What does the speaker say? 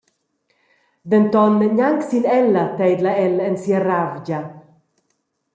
Denton gnanc sin ella teidla el en sia ravgia.